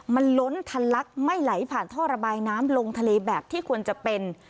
มันล้นทะลักไม่ไหลผ่านท่อระบายน้ำลงทะเลแบบที่ควรจะเป็น